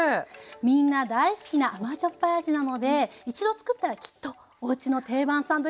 みんな大好きな甘じょっぱい味なので一度つくったらきっとおうちの定番サンドイッチになると思います。